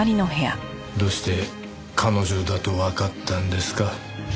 どうして彼女だとわかったんですか？